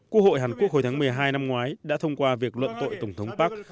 quốc hội hàn quốc hồi tháng một mươi hai năm ngoái đã thông qua việc luận tội tổng thống park